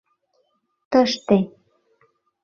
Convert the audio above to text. Тыште!